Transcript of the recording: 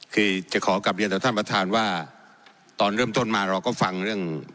คือจะขอกลับเรียนต่อท่านประธานว่าตอนเริ่มต้นมาเราก็ฟังเรื่อง